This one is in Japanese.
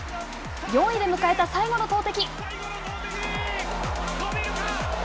４位で迎えた、最後の投てき。